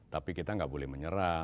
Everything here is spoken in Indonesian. tapi kita tidak boleh menyerah